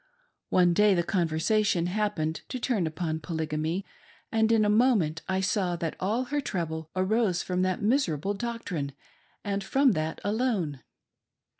. One day the conversation happened to turn upon Polygamy, and in a moment I saw that all her trouble arose from that miserable doctrine, and from that alone.